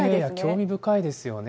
興味深いですよね。